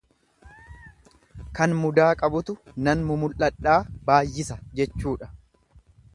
Kan mudaa qabutu nan mumul'adhaa baayyisa jechuudha.